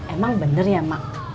emang bener ya mak